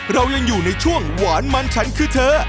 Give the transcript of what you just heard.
เรายังอยู่ในช่วงหวานมันฉันคือเธอ